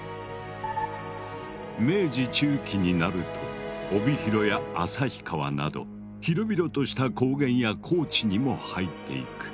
明治中期になると帯広や旭川など広々とした高原や高地にも入っていく。